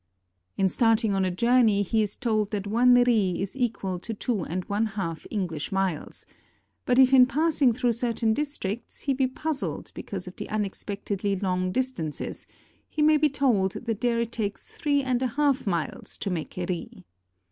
In starting on a journey he is told that one ri is equal to two and one half English miles ; but if in passing through certain districts, he be puzzled because of the unexpect edly long distances, he may be told that there it takes three and a half miles to make a ri.